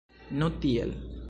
Nu tiel.